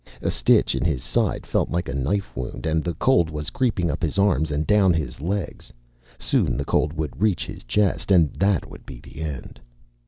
A stitch in his side felt like a knife wound, and the cold was creeping up his arms and down his legs. Soon the cold would reach his chest, and that would be the end.